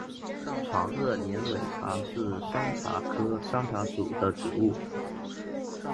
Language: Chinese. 长萼连蕊茶是山茶科山茶属的植物。